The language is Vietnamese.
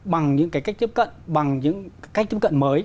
bằng những cái cách tiếp cận bằng những cách tiếp cận mới